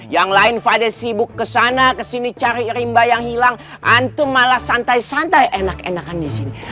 yang lain fade sibuk kesana kesini cari rimba yang hilang hantu malah santai santai enak enakan di sini